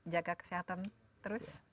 jaga kesehatan terus